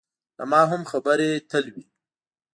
له ما هم خبرې تل وي.